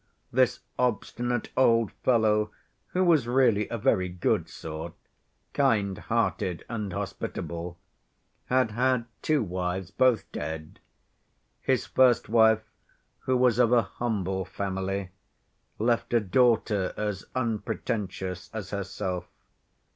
This obstinate old fellow, who was really a very good sort, kind‐hearted and hospitable, had had two wives, both dead. His first wife, who was of a humble family, left a daughter as unpretentious as herself.